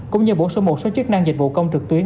cũng như bổ sung một số chức năng dịch vụ công trực tuyến